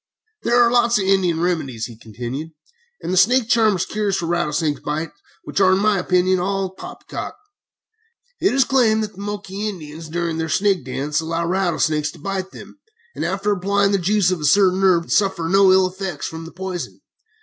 "There are lots of Indian remedies," he continued, "and snake charmers' cures for rattlesnake bites, which are, in my opinion, all poppy cock. It is claimed that the Moquai Indians, during their Snake Dance, allow rattlesnakes to bite them, and after applying the juice of a certain herb suffer no ill effects from the poison.